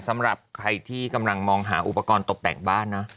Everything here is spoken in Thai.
สำหรับใครที่กำลังมองหาอุปกรณ์ตกแต่งบ้านนะ